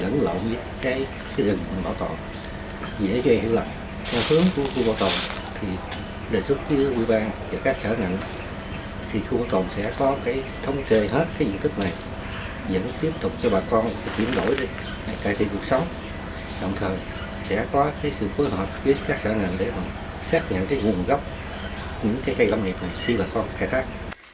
những vùng góc những cây cây lâm nghiệp xin bà con khai thác